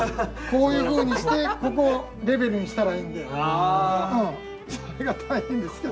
こういうふうにしてここレベルにしたらいいんでそれが大変ですけど。